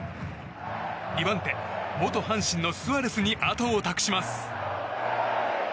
２番手、元阪神のスアレスにあとを託します。